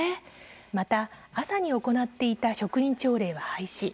また、朝に行っていた職員朝礼は廃止。